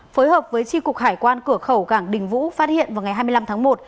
phối hợp với tri cục hải quan cửa khẩu cảng đình vũ phát hiện vào ngày hai mươi năm tháng một